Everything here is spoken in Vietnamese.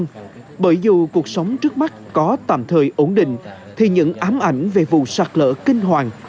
nhưng dù cuộc sống trước mắt có tạm thời ổn định thì những ám ảnh về vụ sạt lỡ kinh hoàng